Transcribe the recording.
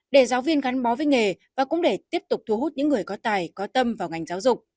để giáo viên gắn bó với nghề và cũng để tiếp tục thu hút những người có tài có tâm vào ngành giáo dục